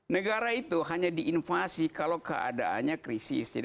negara itu hanya diinvasi kalau keadaannya krisis